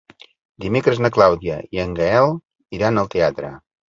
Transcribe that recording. Dimecres na Clàudia i en Gaël iran al teatre.